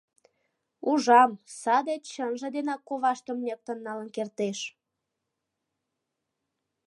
Ужам — садет чынже денак коваштым ньыктын налын кертеш.